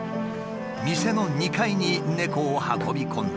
店の２階に猫を運び込んだ。